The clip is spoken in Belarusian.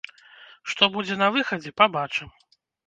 Што будзе на выхадзе, пабачым.